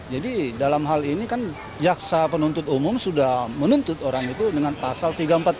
jadi dalam hal ini kan jaksa penuntut umum sudah menuntut orang itu dengan pasal tiga ratus empat puluh